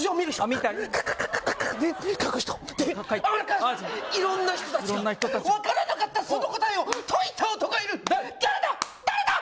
見たりで書く人で色んな人達が分からなかったその答えを解いた男がいる誰だ？